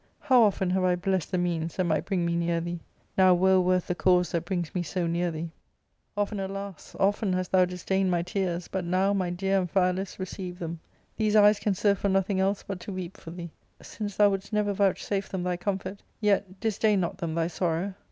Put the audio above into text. How often have I blest the means that might bring me near thee I Now woe worth the cause that brings me so near thee 1 Often, alas ! often hast thou disdained my tears, but now, my dear Amphialus, receive them ; these eyes can serve for nothing else but to weep for thee: since thou wouldst never vouchsafe them thy comfort, yet disdain not them thy sorrow.